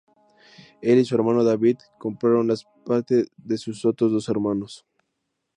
Él y su hermano David compraron la parte de sus otros dos hermanos.